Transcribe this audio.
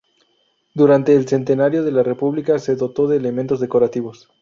Durante el centenario de la república se dotó de elementos decorativos.